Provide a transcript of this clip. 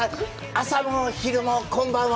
朝も昼もこんばんは。